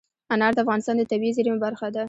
انار د افغانستان د طبیعي زیرمو برخه ده.